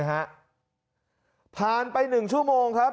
ผ่านไป๑ชั่วโมงครับ